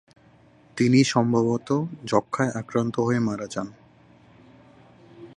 তিনি সম্ভবত যক্ষায় আক্রান্ত হয়ে মারা যান।